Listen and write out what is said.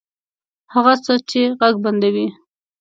هغه څه چې ږغ بندوي